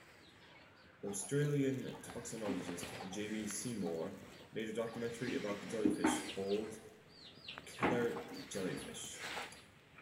Australian toxinologist Jamie Seymour made a documentary about the jellyfish called 'Killer Jellyfish'.